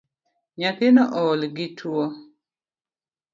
Nyathino oolo gi gi tuo